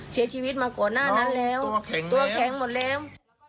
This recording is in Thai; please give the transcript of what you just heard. เสียชีวิตมาก่อนหน้านั้นแล้วตัวแข็งหมดแล้ว